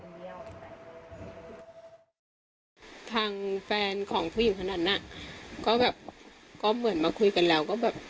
ทางแฟนของผู้หญิงขนาดนั้นก็เหมือนมาคุยกันแล้ว